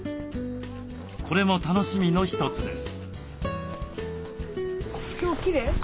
これも楽しみの一つです。